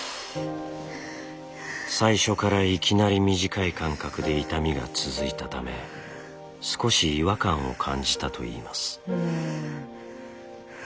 最初からいきなり短い間隔で痛みが続いたため少し違和感を感じたといいます。